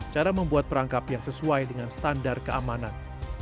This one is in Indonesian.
cara membuat perangkap yang sesuai dengan standar keamanan